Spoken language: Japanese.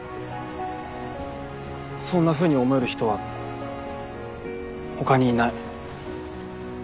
そんなふうに思える人は他にいない。